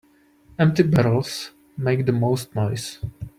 Empty barrels make the most noise.